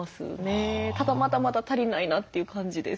ただまだまだ足りないなという感じです。